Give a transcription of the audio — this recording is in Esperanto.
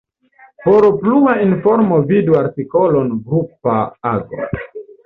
Por plua informo vidu artikolon grupa ago.